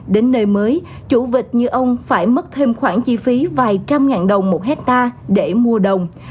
đến nơi mới chủ tịch như ông phải mất thêm khoản chi phí vài trăm ngàn đồng một hectare để mua đồng